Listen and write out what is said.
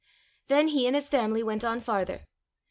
Then he and his family went on farther.